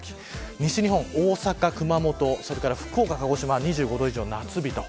西日本、大阪、熊本、福岡鹿児島２５度以上の夏日と。